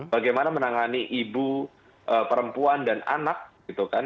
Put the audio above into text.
bagaimana menangani ibu perempuan dan anak gitu kan